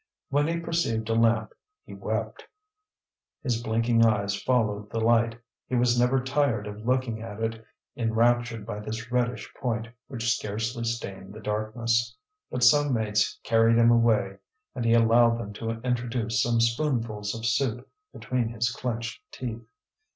When he perceived a lamp he wept. His blinking eyes followed the light, he was never tired of looking at it, enraptured by this reddish point which scarcely stained the darkness. But some mates carried him away, and he allowed them to introduce some spoonfuls of soup between his clenched teeth.